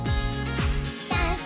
「ダンス！